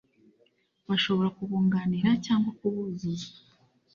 bashobora kubunganira cyangwa kubuzuza